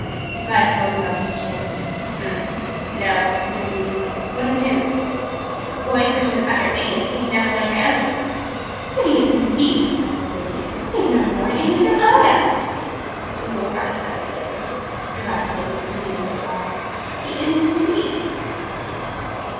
The Vice Warden rubbed his chin. "Humph! No!" he said musingly. "Wouldn't do. The boy's such an utter idiot, he'd never learn to answer to it." "Idiot, indeed!" cried my Lady. "He's no more an idiot than I am!" "You're right, my dear," the Vice Warden soothingly I replied. "He isn't, indeed!"